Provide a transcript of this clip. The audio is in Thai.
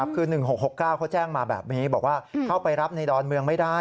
คือ๑๖๖๙เขาแจ้งมาแบบนี้บอกว่าเข้าไปรับในดอนเมืองไม่ได้